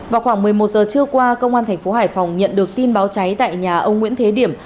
vào khoảng một mươi một giờ trưa qua công an thành phố hải phòng nhận được tin báo cháy tại nhà ông nguyễn thế điểm